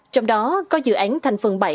trong đó có dự án thành phần bảy